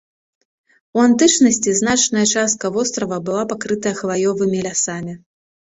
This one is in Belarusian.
У антычнасці значная частка вострава была пакрыта хваёвымі лясамі.